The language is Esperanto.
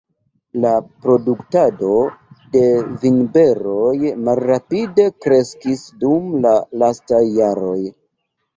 La produktado de vinberoj malrapide kreskis dum la lastaj jaroj.